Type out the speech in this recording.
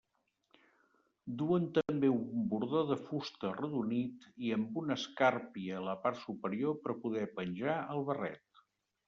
Duen també un bordó de fusta arredonit i amb una escàrpia a la part superior per a poder penjar el barret.